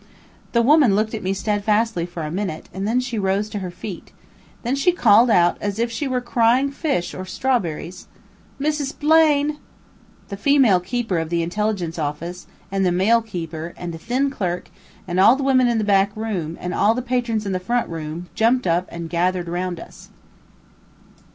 The woman looked at me steadfastly for a minute, and then she rose to her feet. Then she called out, as if she were crying fish or strawberries: "Mrs. Blaine!" The female keeper of the intelligence office, and the male keeper, and a thin clerk, and all the women in the back room, and all the patrons in the front room, jumped up and gathered around us.